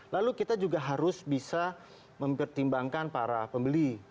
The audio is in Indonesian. lalu kita juga harus bisa mempertimbangkan para pembeli